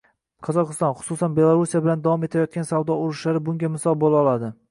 Qozog'iston, xususan, Belarusiya bilan davom etayotgan savdo urushlari bunga misol bo'la oladi